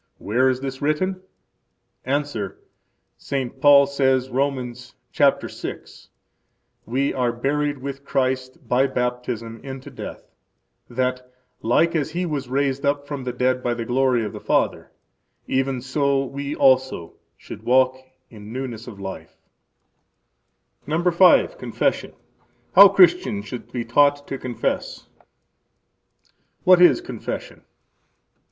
Where is this written? –Answer: St. Paul says Romans, chapter 6: We are buried with Christ by Baptism into death, that, like as He was raised up from the dead by the glory of the Father, even so we also should walk in newness of life. How Christians should be taught to Confess What is Confession?